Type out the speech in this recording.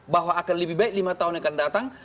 bahwa akan lebih baik lima tahun yang akan datang